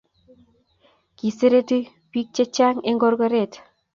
Kiserete pik chechang enkorkoret